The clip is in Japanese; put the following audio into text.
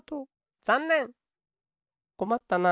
こまったな。